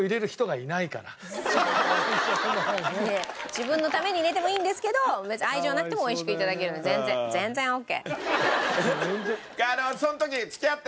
自分のために入れてもいいんですけど別に愛情なくても美味しく頂けるので全然全然オッケー。